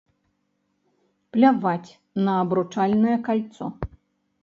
Пляваць на абручальнае кальцо!